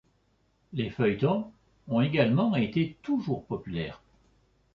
Les feuilletons ont également été toujours populaires.